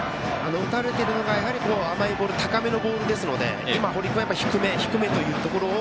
打たれてるのが甘いボール高めのボールですので今、堀君は低め、低めというところを